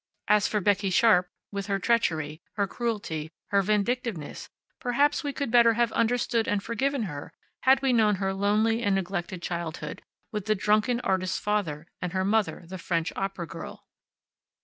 As for Becky Sharp, with her treachery, her cruelty, her vindicativeness, perhaps we could better have understood and forgiven her had we known her lonely and neglected childhood, with the drunken artist father and her mother, the French opera girl.